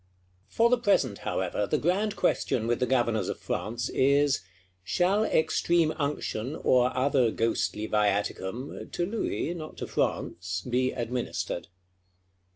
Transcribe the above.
For the present, however, the grand question with the Governors of France is: Shall extreme unction, or other ghostly viaticum (to Louis, not to France), be administered?